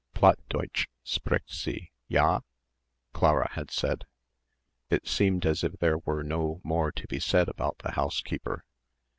"Platt Deutsch spricht sie, ja?" Clara had said. It seemed as if there were no more to be said about the housekeeper.